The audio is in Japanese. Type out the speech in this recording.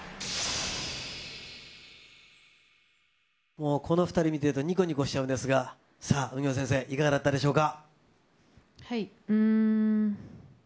もうこの２人見てるとにこにこしちゃうんですが、さあ、ウンギョン先生、いかがだったでしょうか。